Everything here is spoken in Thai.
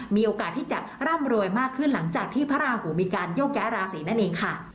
มีโอกาสที่จะร่ำรวยมากขึ้นหลังจากที่พระราหูมีการโยกย้ายราศีนั่นเองค่ะ